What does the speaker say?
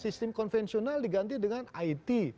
sistem konvensional diganti dengan it